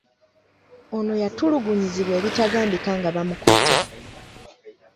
Ono yatulugunyizibwa ebitagambika nga bamukute.